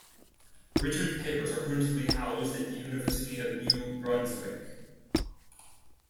Richards' papers are currently housed at the University of New Brunswick.